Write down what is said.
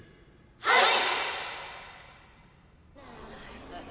はい！